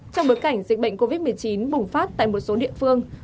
trong bối cảnh dịch bệnh covid một mươi chín bùng phát tại một số địa phương